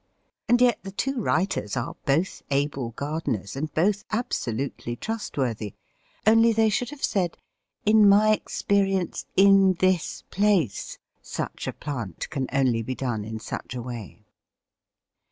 And yet the two writers are both able gardeners, and both absolutely trustworthy, only they should have said, "In my experience in this place such a plant can only be done in such a way."